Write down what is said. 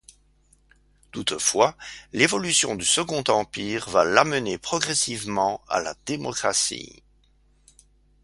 Toutefois l'évolution du Second Empire va l'amener progressivement à la démocratie.